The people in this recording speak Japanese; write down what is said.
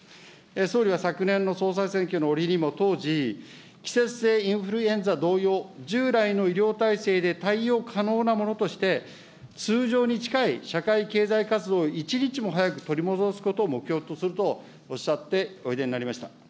総理は昨年の総裁選挙の折にも、当時、季節性インフルエンザ同様従来の医療体制で対応可能なものとして、通常に近い社会経済活動を一日も早く取り戻すことを目標とするとおっしゃっておいでになりました。